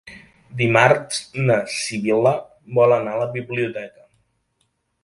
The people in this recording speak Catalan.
Dimarts na Sibil·la vol anar a la biblioteca.